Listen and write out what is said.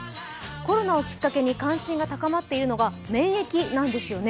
コロナをきっかけに関心が高まっているのが免疫なんですよね。